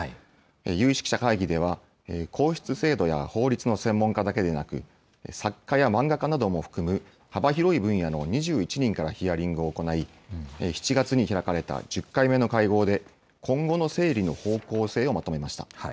有識者会議では、皇室制度や法律の専門家だけでなく、作家や漫画家なども含む、幅広い分野の２１人からヒアリングを行い、７月に開かれた１０回目の会合で、今後の整理の方向性をまとめました。